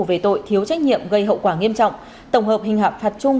về tội thiếu trách nhiệm gây hậu quả nghiêm trọng tổng hợp hình hạp phạt chung